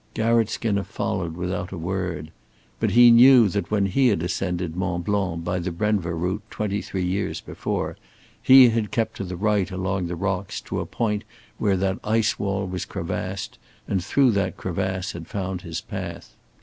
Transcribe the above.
Garratt Skinner followed without a word. But he knew that when he had ascended Mont Blanc by the Brenva route twenty three years before, he had kept to the right along the rocks to a point where that ice wall was crevassed, and through that crevasse had found his path.